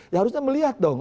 ya harusnya melihat dong